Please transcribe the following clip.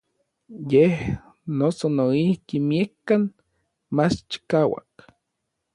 Yej noso noijki miekkan mach chikauak.